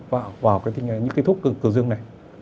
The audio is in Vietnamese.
vào những cái thuốc cựu dương này